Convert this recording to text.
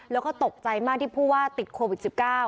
แล้วก็ตกใจมากที่ผู้ว่าติดโควิด๑๙